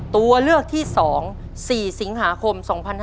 ตัวเลือกที่๒๔สิงหาคม๒๕๕๙